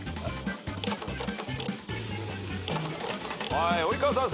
はい及川さん